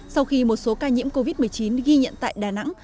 sau khi một số ca nhiễm covid một mươi chín ghi nhận tại đà nẵng